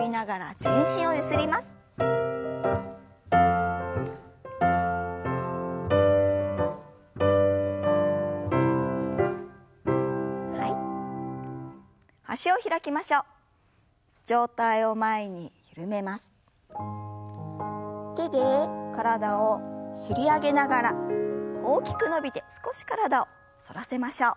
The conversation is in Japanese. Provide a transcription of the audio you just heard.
手で体を擦り上げながら大きく伸びて少し体を反らせましょう。